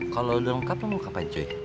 kalau udah lengkap lu mau ngapain coy